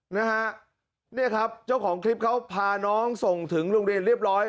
นะฮะเนี่ยครับเจ้าของคลิปเขาพาน้องส่งถึงโรงเรียนเรียบร้อย